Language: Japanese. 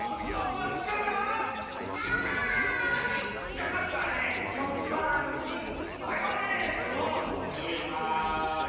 じゃあまずはね食パンにマヨネーズをぬります。